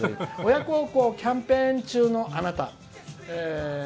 親孝行キャンペーン中のあなた。